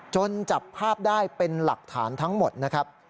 จับภาพได้เป็นหลักฐานทั้งหมดนะครับ